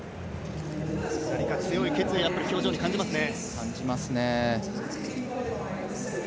何か強い決意、表情に感じますね。